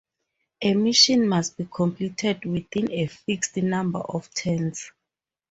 A mission must be completed within a fixed number of turns.